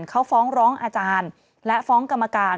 เขาฟ้องร้องอาจารย์และฟ้องกรรมการ